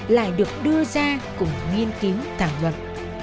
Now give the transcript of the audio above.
lại được đưa ra cùng nghiên cứu thảm luận